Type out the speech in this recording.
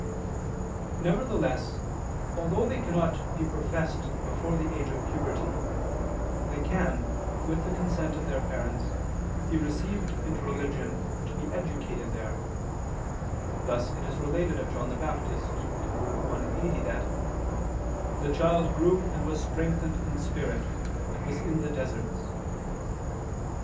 Nevertheless, although they cannot be professed before the age of puberty, they can, with the consent of their parents, be received into religion to be educated there: thus it is related of John the Baptist (Luke 1:80) that "the child grew and was strengthened in spirit, and was in the deserts."